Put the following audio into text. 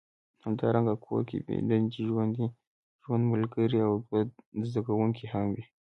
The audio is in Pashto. همدارنګه کور کې بې دندې ژوند ملګری او دوه زده کوونکي هم وي